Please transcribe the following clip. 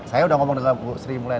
saya udah ngomong dengan bu sri mulyani